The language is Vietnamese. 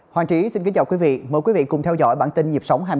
hoàng trí xin kính chào quý vị mời quý vị cùng theo dõi bản tin nhịp sống